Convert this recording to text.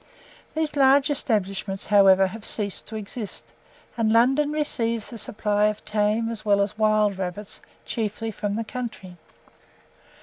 These large establishments, however, have ceased to exist, and London receives the supply of tame as well as wild rabbits chiefly from the country.